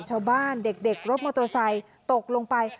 ชาวบ้านเด็กรถมอเตอร์ไซค์ตกลงไป